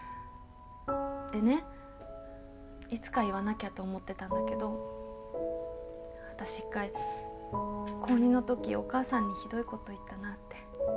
でねいつか言わなきゃと思ってたんだけど私一回高２の時お母さんにひどい事言ったなって。